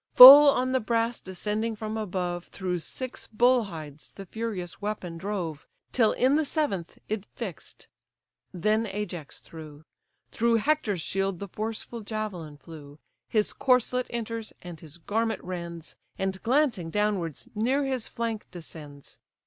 Full on the brass descending from above Through six bull hides the furious weapon drove, Till in the seventh it fix'd. Then Ajax threw; Through Hector's shield the forceful javelin flew, His corslet enters, and his garment rends, And glancing downwards, near his flank descends.